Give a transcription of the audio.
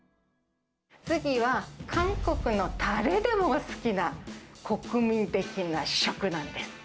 次は、韓国の誰でも好きな、国民的な食なんです。